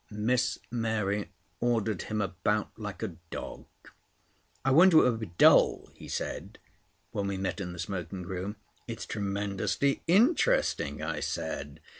Miss Mary ordered him about like a dog. "I warned you it would be dull," he said when we met in the smoking room. "It's tremendously interesting," I said.